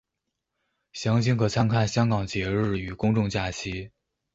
详情可参看香港节日与公众假期。